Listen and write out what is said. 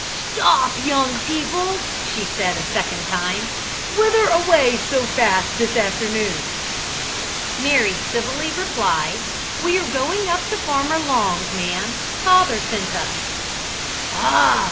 "Stop, young people!" she said a second time; "whither away so fast this afternoon?" Mary civilly replied, "We are going up to Farmer Long's, ma'am; father sent us." "Ah!"